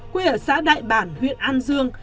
quê ở xã đại bản huyện an dương